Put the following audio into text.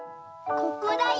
ここだよ。